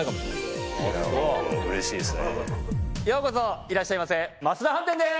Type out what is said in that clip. ようこそいらっしゃいませ増田飯店です！